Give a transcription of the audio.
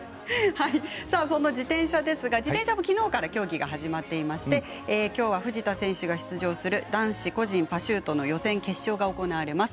そんな自転車ですが自転車もきのうから競技が始まっていましてきょうは藤田選手が出場する男子個人パシュート予選、決勝が行われます。